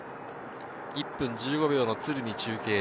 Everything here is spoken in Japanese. １分１５秒の鶴見中継所。